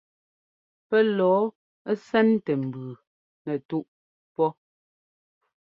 Pɛ́ lɔɔ ɛ́sɛ́ntɛ mbʉʉ nɛtúꞌ pɔ́.